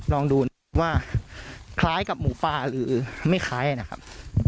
ลองดูว่าคล้ายกับหมูป่าหรือไม่คล้ายนะครับ